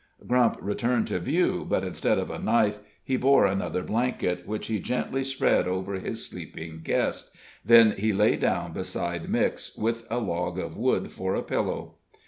Grump returned to view; but instead of a knife, he bore another blanket, which he gently spread over his sleeping guest, then he lay down beside Mix with a log of wood for a pillow.